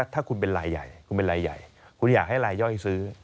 ถ้าคุณเป็นรายใหญ่คุณเป็นรายใหญ่คุณอยากให้รายย่อยซื้อ